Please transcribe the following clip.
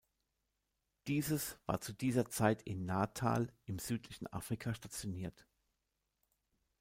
Dieses war zu dieser Zeit in Natal im südlichen Afrika stationiert.